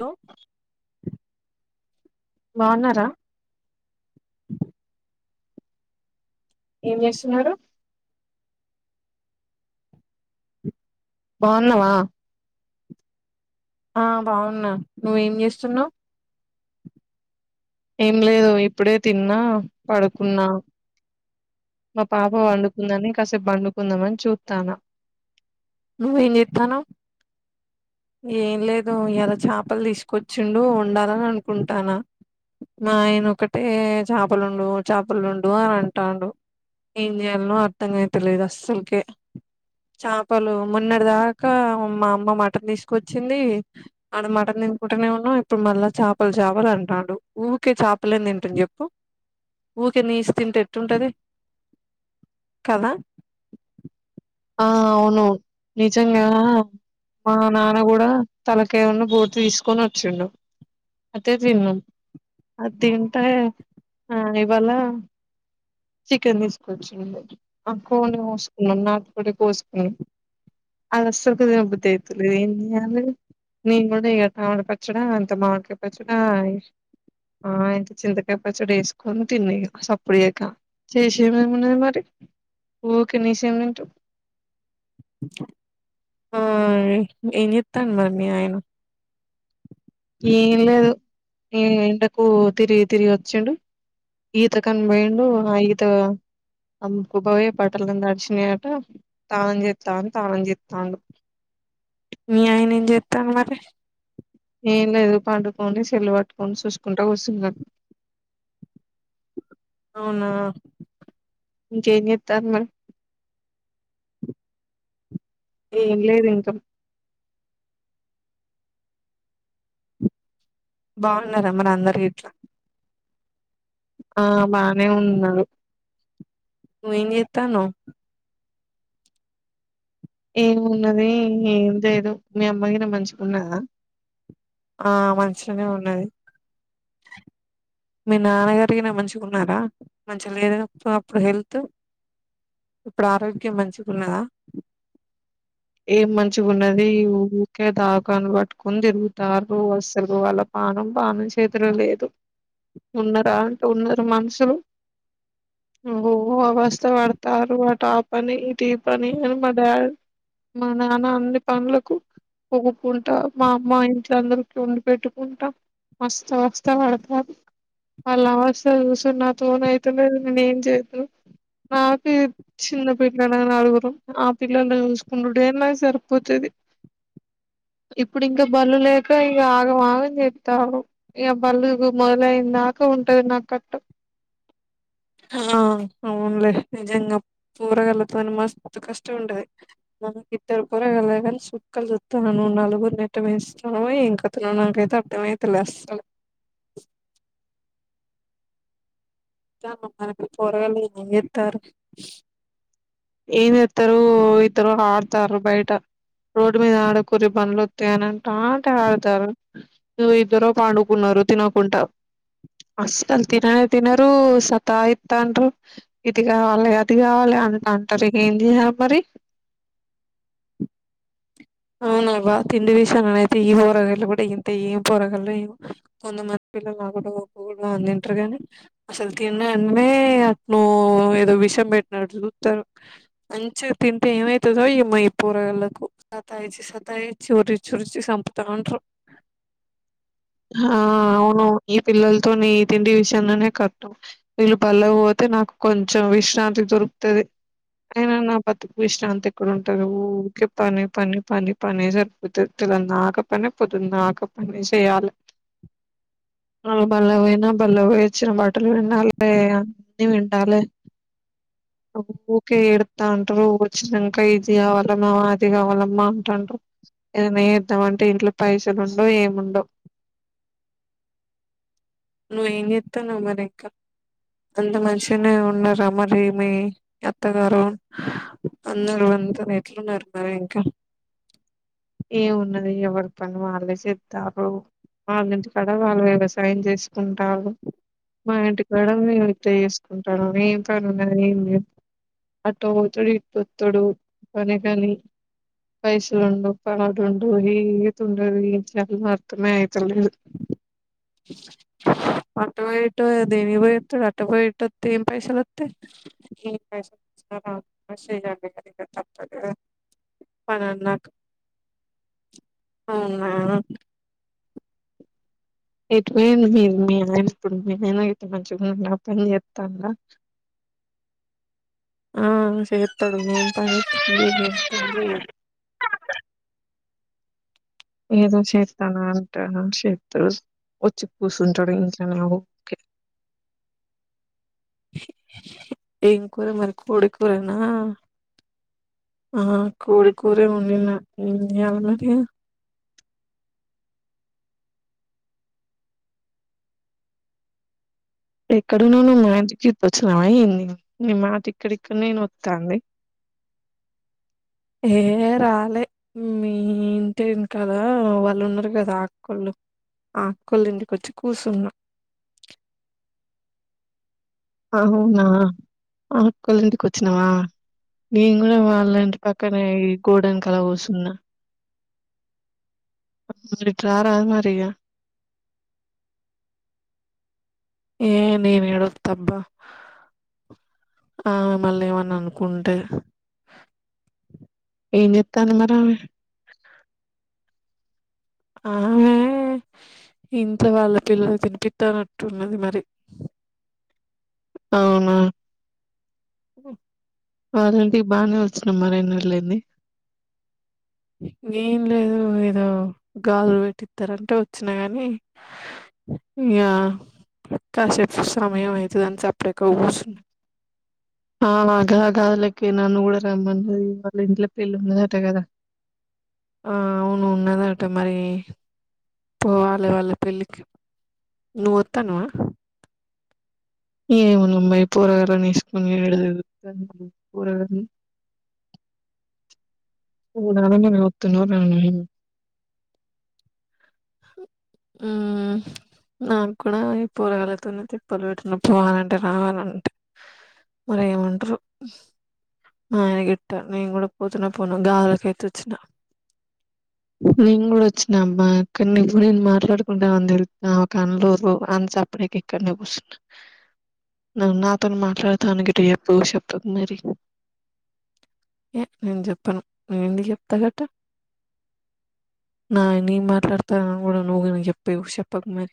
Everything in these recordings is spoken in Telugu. హాలో బాగున్నారా ఏం జెస్తున్నారు బాగున్నావా ఆ బాగున్నా నువ్వేం చేస్తున్నావ్ ఏం లేదు ఇప్పుడే తిన్నా పడుకున్నా మా పాప పండుకుందని కాసేప్ పండుకుందామని చూత్తానా ఏం లేదు ఇయలా చపల్ దిస్ కొచ్చిండు వండాలననుకుంటాన మా ఆయన ఒకటే చపలండు చపలండు అనంటండు ఏం చేయల్నో అర్థమైతేలేదు అస్సల్కే చాప్ పలు మొంన్నాడిదకా మా అమ్మ మటన్ తీసుకొచ్చింది ఆడ మటన్ తినుకుంటేనే ఉన్నా ఇప్పుడు మళ్ళా చపల్ చపల్ అంటాడు ఊకే చపలేం తింటం చెప్పు ఊకే నీస్ తింటే ఎట్టుంటది కదా ఆ అవును నిజంగా మా నాన కూడా తలకయ్ ఉన్ను బోటి తీసుకొని వచ్చిండు అదే తిన్నాం అదింటే ఆ ఇవాళ చికెన్ తీసుకొచ్చిండు ఆ కోన్ని కోసుకున్నాం నాటుకోడి కోసుకున్నాం అదిస్సల్కు తినబుద్ది అయితలే ఏం చెయ్యాలె నేన్ కూడా ఇగ టమాటా పచ్చడా అంత మావిడికాయ పచ్చడ ఆ ఇంత చింతకాయ పచ్చడేసుకొని తిన్నా ఇగ సప్పుడ్జెక చేసేదేమున్నది మరి ఉకే నీసెం దింటం ఆ ఇ ఎం జేత్తండు మరీ మీ ఆయన ఏం లేదు ఏ ఎండకు తిరిగి తిరిగి వచ్చిండు ఈతకని బైండు ఆ ఈత అమ్కు పోయే పట్టలన్ని దడిచినయట తానం చెత్తాని తానం జేత్తండు మీ ఆయన ఏం చెతాండూ మరి ఏం లేదు పండుకొని సేల్లు పట్టుకొని చూసుకుంటా కుసున్నడ్ అవునా ఇంకా ఎం చెత్తలు మరి ఏం లేదు ఇంకా బాగున్నారా మరి అందరు ఆ బానే ఉన్నారు ఎం చెత్తనవ్ ఏమున్నది ఏం లేదు మీ అమ్మాగిన మంచిగా ఉన్నాదా ఆ మంచిగానే ఉన్నది మీ నాన్నగారు గినా మంచిగా ఉన్నారా మంచిగా లేదు గా ప్పుడు అప్పుడు హెల్త్ ఇప్పుడు ఆరోగ్యం మంచిగున్నదా ఏం మంచిగా ఉన్నది ఊరికే దాకండ్లు పట్టుకోని తిరుగుతార్రు అసలు వాళ్ళ పనం పానం చేతుల లేదు ఉన్నరా అంటే ఉన్నారు మనుషులు ఓహ అవస్త పడుతార్రు అటు ఆ పని ఇటు ఈ పని అని మా డాడీ మా నాన్న అన్ని పనులకు పోగుకుంటా మా అమ్మ ఇంట్ల అందరికి వండి పెెట్టుకుంటా మస్తు అవస్త పడుతర్రు వాళ్ళ అవస్తా చూసుడు నాతోనైత లేదు నేను ఏం చేద్దు నాకు ఇప్ చిన్న పిల్లళ్ళయే నలుగురు ఆ పిల్లలను చూస్ కుండుడే నాకు సరిపోతది ఇప్పుడు ఇంకా బళ్లు లేక ఇగ ఆగం ఆగం చెత్తర్రు ఇగ బళ్లుు మొదలఇందాకా ఉంటది నాకు కట్టం అ ఆ అవునులే నిజంగా పోరగాళ్లతోని మస్తు కష్టం ఉంటది పోరగాళ్ళే కని చుక్కలు చుత్తన నువ్వు నలుగుర్ని ఏట్ట పెంచుతనవో ఎం కతనో నాకైతే అర్ధమే అయితలేదు అస్సలు పొరగాళ్ళు ఎం చెత్తర్రు ఏం చెత్తరు ఇద్దరో ఆడుతార్రు బయట రోడ్డు మీద ఆడకూర్రి బండ్లు ఓత్తఅని అంటంటే ఆడుతారు ఇగ ఇద్దరో పండుకున్నారు తినకుంటా అస్సలు తిననే తినరు సతా ఇత్తన్రు ఇది కావాలే అది కావాలే అంట ట్టరు ఇగ ఎం చేయాలె మరి అవునవ్వ తిండి విషయంలనైతె ఈ పోరగలు కూడా ఇంతే ఎం పోరగాళ్ళో కొంతమంది పిల్లలు [unintelligible] పూర్ణాలు తింటారు గాని అసలు తిననే ఎట్నో ఎదో వి షం పెట్టినట్ చూత్తరు మంచిగా తింటే ఏమైతదో ఏమో ఈ పోరగాళ్లకు సతా ఇచ్చి సతా ఇచ్చి ఓర్రిచ్చి ఓర్రిచ్చి సంపుతంట్రూ ఆ అవును ఈ పిల్లలతో నీ తిండి విషయంలోనే కట్టం వీళ్ళు బళ్ళేకు పోతే నాకు కొంచెం విశ్రాంతి దొరుకుతది అయినా నా బ్రతుక్కు విశ్రాంతి ఎక్కడుంటది ఊరికే పని పని పని పనే సరిపోతది తేలం దాక పనే పొద్దుం దాక పనే చేయ్యలే వాళ్ళు బళ్ళేకు పోయిన బళ్ళేకు పోయి వచ్చిన బట్టలు పిండాలే వ అన్ని పిండాలే ఊరికే ఏడుత్త ఉంటారు వచ్చినాంక ఇది కావాలమా అది కావాలమ్మా అంటాంటారు ఎదోమేయేదామంటే ఇంట్లో పైసలు ఉండవు ఏముండవు నూ ఎంజేత్తాన్నావ్ మరి ఇంకా అంత మంచిగానే ఉన్నారా మరి మీ అత్తగారు అందరు అందరు ఎట్లున్నారు మరి ఇంకా ఏమున్నది ఎవరి పని వాళ్లేజెతారు వాళ్ళ ఇంటి కాడ వాళ్ళు వ్యవసాయం చేసుకుంటారు మా ఇంటి కూడా మేం ఇట్ల చేసుకుంటానం ఏం పని ఉన్నాది ఏం లేదు అటు పోతడు ఇట్ల వత్తడు పని కని పెయిసలుండవు పని ఒకటి ఉండదు ఈత ఉండదు ఏం చేయాలో అర్థమే అయితలేదు అటు ఇటు దేనికి పోయి వత్తాడు అట్ట పోయి ఇట్టొత్తే ఎం పైసలు వత్తయ్ తప్పదుగా పని అన్నాక అవునా ఎటువైంది మీరు మీ అమ్మాయి ఇప్పుడు మంచిగుందా పని చేతాంద ఆ చేత్తడు ఎం పని చేస్తది ఎం పని చేయదు ఏదో చేత్తన అంటాడు చేతు వచ్చి కూర్చంటడు ఇంట్లన ఏం కూర మరి కోడి కూరనా ఆ కోడికూరె వండిన ఎం చేయాలా మరి ఎక్కడున్నావ్ నువ్ మా ఇంటిగిన వచ్చినా ఏంది నీ మాట ఇక్కడిక్కడినే వినబతాంది ఏ రాలే మి మీ ఇంటి ఎనకాల వాళ్ళు ఉన్నారు కదా అక్కోళ్ళు ఆ అక్కలోళ్ళింటికొచ్చి కూసున్నా అవునా అక్కలోయింటికి వచ్చినవా నేను కూడా వాళ్ళ ఇంటి పక్కనే ఈ గోడ ఎనకాల కూసున్న ఇట్రారాదు మరి ఇగ ఏ నేనేడోత్తబ్బా ఆ మళ్ళేమన్నా అనుకుంటే ఏంజెతాంది మరామే ఆమె ఇంట్లో వాళ్ళ పిల్లలకి తినిపిత్తనట్టున్నది మరి అవ్నా [unintelligible] వాళ్ళంటికి బాగానే వచ్చినం మరెన్నోల్లైంది ఏం లేదు ఏదో గాజులు పెట్టిత్తరంటే వచ్చినా గాని ఇగా కాసేపు సమయం అయితదని చెప్పేకొ కూర్చున్నా ఆ నాకూడా గాజులు ఎక్కి నన్ని కూడ రమ్మన్నరు వాళ్ళ ఇంట్లో పెళ్లి ఉంన్నదట కదా ఆ అవును ఉన్నదట మరి పోవాలె వాళ్ళ పెళ్ళికి నూవొత్తన్నవా ఏమోన్నమ్మ ఈ పొరగాళ్ళని ఎస్కొని ఏడేడ తిరుగు మున్నాళ్ళుండు నెన్ వొత్తున్న హ్మ్ నాక్కూడ ఈ పోరగాళ్ళతినే తిప్పలు పెట్టిన పోవాలంటే రావాలంటే మరి ఏమంటరు మా అయన గిట్ట నేన్ గూడ పోతనో పోనో గాలికయితే వచ్చిన నేను గూడ వచ్చిన అబ్బ కానీప్పు నేను మాట్లాడుకుంటా [unintelligible] సప్పుకిక్కన్నే కూర్చున్న నాతోనీ మాట్లాడతాను గిట్ ఎప్పుడు చెప్పకు మరి ఏ నేను చెప్పాను నేన్ ఎందుకు చెప్తా గట్ట నా నీ మాట్లాడతనని కూడ నువ్వు న చెప్పేవు చెప్పకు మరి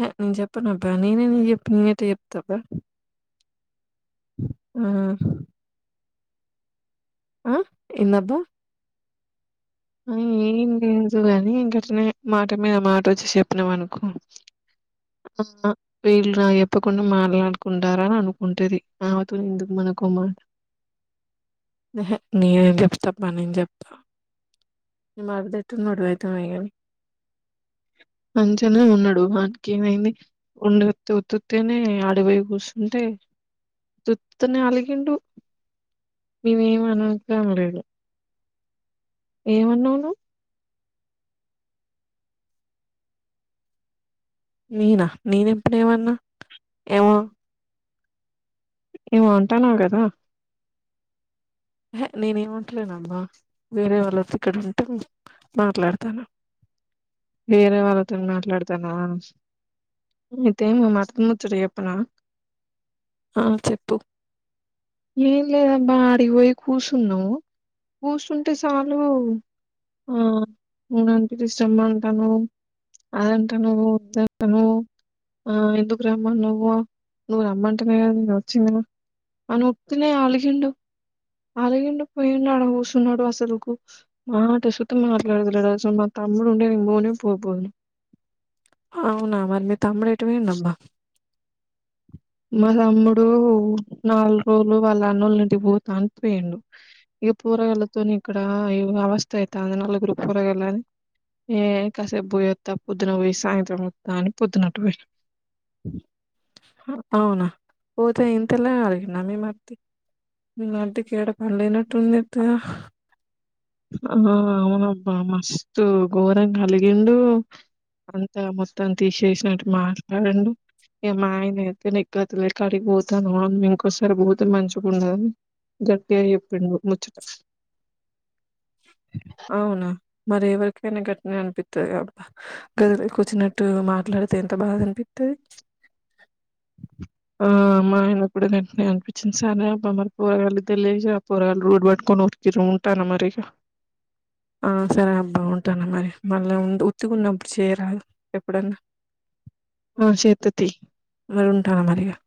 హే నేన్ చెప్పను అబ్బ నేనే నిక్ చెప్పు నేనే ఎట్ట చెప్తా అబ్బ ఆ ఆ ఎందబ్బ ఆ ఏం లేదు గాని ఇంకంటనే మాట మీద ఆ మాట ఓచ్చి చెప్పినాం అనుకో ఆ వీళ్ళు నా చేప్పకుండ మాట్లాడుకుంటారా అనుకుంటది ఆమే తో ఎందుకు మనకు కొముడు యాహే నేన్ ఏం చెప్త అబ్బ నేన్ ఎందుకు చెప్త [unintelligible] మంచి గనే ఉన్నడు వానికి ఏమైంది ఉండి ఉత్తుత్తి గానే ఆడపోయి కూర్చుంటే ఉత్తినే అలిగిండు మేం ఏం అనను కూడ అనలేదు ఏమన్నావు నువ్ నేన నేనెప్పుడేమన్నా ఏమో ఏమో అంటన్నావ్ కద హే నేనే ఏం అంటలెం అమ్మ వేరే వాళ్ళతో ఇక్కడ ఉంటే వేరే వాళ్ళతో మాట్లాడ తనా నీతో మొదటి ముచ్చట చేప్పన ఆ చెప్పు ఏం లేదబ్బా అడి పోయి కూర్చున్నాం కుసుంటే చాలు ఆ [unintelligible] అంటాను అదంటా నువ్వు నువ్వు ఆ ఎందుకు రమ్మ నవ్వు నువ్వు రమ్మంటె నేన్ ఏమైన వచ్చిన్నా అను తినే అలిగిండు అలిగిండు పోయిండు ఆడ కుసునడు అసలుకు మాట సుతం మాట్లాడలే ఆరోజు మాత తమ్ముడు ఉండే నేన్ పోనే పోకపోయిండు అవునా మరి మీ తమ్ముడు ఎట్ట పోయిండు అమ్మ మా తమ్ముడు నాలుగు రోజులు వాళ్ళ అన్నోళ్ల ఇంటికి పోతా అని పోయిండు ఇక పోరగాళ్లతోని ఇక్కడ అవస్థ అయితే ఆధ నలుగురు పోరగాళ్ల అని ఏ కాసేపు పోయి ఒత్త పొద్దున పోయి సాయంత్రం వద్దా అని పొద్దునట్టు పోయి అ అవున పోతే ఇంతలా అడిగిన్నా అత్తి మీ మరిదికి ఏడ పన్ లేనట్టు ఉంది అత్తయ్య ఆ అవునబ్బా మస్తు ఘోరంగ అలిగిండు అంతా మొత్తం తీసేసినట్టు మాట్లాడిండు ఏ మా ఆయన అయితే నిక్ గతిలేక అడిగిపోతన్నవ ఇంకోసారి పోతే మంచిగ ఉండదు గట్టిగా చెప్పిండు ముచ్చట [inaudible] అవునా మరి ఎవరికైనా గట్టనే అనిపిస్తది అబ్బా గదిలో కూర్చినట్టు మాట్లాడితే ఎంత బాధ అనిపిత్తది ఆ మ ఆయన కూడా గాట్నే అనిపిచింది సార్ అబ్మ మరి పోరగళ్ళు ఇద్దరు లేసి ఆ పోరగాళ్లు రోడ్ పట్కొని ఉరికేద్ చ్ ఉంటన మరి ఇగ [inaudible] ఆ సరే అబ్బా ఉంటానా మరి మళ్ళీ ఉండ్ ఉతిగున్నప్పుడు చేయరాదు ఎప్పుడన్నా [inaudible] మరి ఉంటానా మరిగా